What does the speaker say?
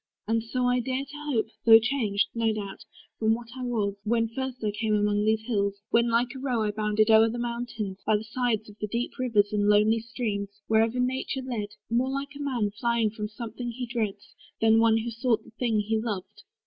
And so I dare to hope Though changed, no doubt, from what I was, when first I came among these hills; when like a roe I bounded o'er the mountains, by the sides Of the deep rivers, and the lonely streams, Wherever nature led; more like a man Flying from something that he dreads, than one Who sought the thing he loved.